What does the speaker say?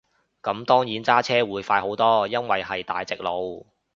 咁當然揸車會快好多，因為係大直路